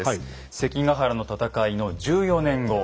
関ヶ原の戦いの１４年後。